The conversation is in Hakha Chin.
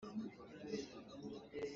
Palik nih khua ral an ven.